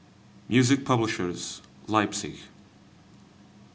MUSIC PUBLISHERS, LEIPZIG.